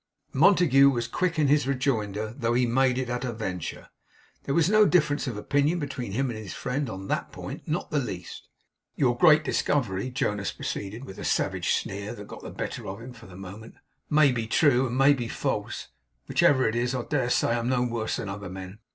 Montague was quick in his rejoinder, though he made it at a venture. There was no difference of opinion between him and his friend on THAT point. Not the least. 'Your great discovery,' Jonas proceeded, with a savage sneer that got the better of him for the moment, 'may be true, and may be false. Whichever it is, I dare say I'm no worse than other men.